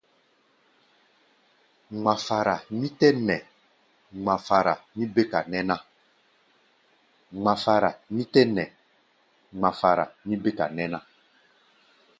Ŋmafara mí tɛ́ nɛ, ŋmafara mí béka nɛ́ ná.